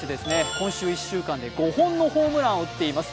今週１週間で５本のホームランを打ってます。